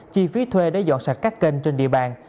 chi phí thuê để dọn sạch các kênh trên địa bàn